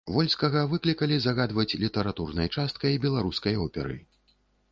Вольскага выклікалі загадваць літаратурнай часткай беларускай оперы.